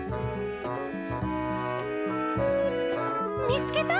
「みつけた！